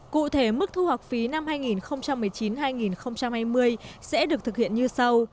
cụ thể mức thu học phí năm hai nghìn một mươi chín hai nghìn hai mươi sẽ được thực hiện như sau